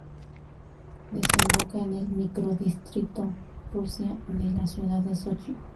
Desemboca en el microdistrito Rusia de la ciudad de Sochi.